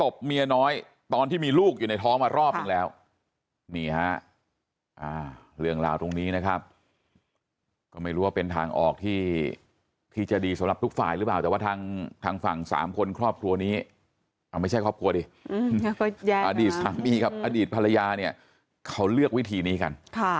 อดีตที่จะดีสำหรับทุกฝ่ายหรือเปล่าแต่ว่าทางฝั่งสามคนครอบครัวนี้ไม่ใช่ครอบครัวดีอดีตสามีกับอดีตภรรยาเนี่ยเขาเลือกวิธีนี้กัน